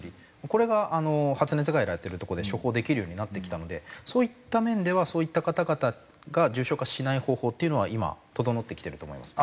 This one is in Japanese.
これが発熱外来やってる所で処方できるようになってきたのでそういった面ではそういった方々が重症化しない方法っていうのは今整ってきてると思います。